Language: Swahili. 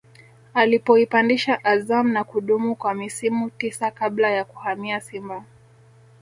alipoipandisha Azam na kudumu kwa misimu tisa kabla ya kuhamia Simba